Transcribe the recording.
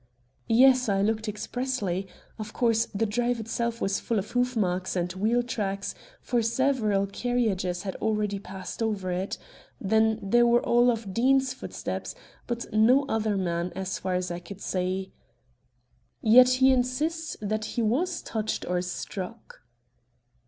"Yes; I looked expressly. Of course, the drive itself was full of hoof marks and wheel tracks, for several carriages had already passed over it. Then there were all of Deane's footsteps, but no other man's, as far as I could see." "Yet he insists that he was touched or struck."